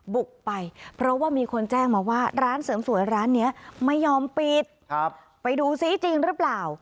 บุกไปเพราะว่ามีคนแจ้งมาว่าร้านเสริมสวยร้านนี้ไม่ยอมปิดไปดูซิจริงหรือเปล่า